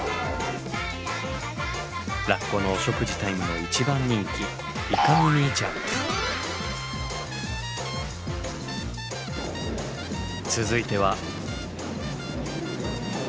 ラッコのお食事タイムのいちばん人気続いては。